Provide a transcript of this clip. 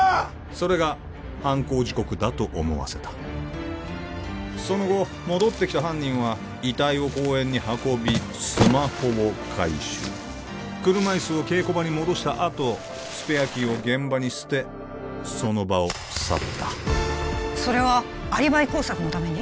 それが犯行時刻だと思わせたその後戻ってきた犯人は遺体を公園に運びスマホを回収車いすを稽古場に戻したあとスペアキーを現場に捨てその場を去ったそれはアリバイ工作のために？